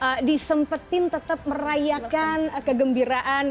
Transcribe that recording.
oke oke jadi disempetin tetap merayakan kegembiraan